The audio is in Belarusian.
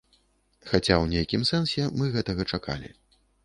Хаця ў нейкім сэнсе мы гэтага чакалі.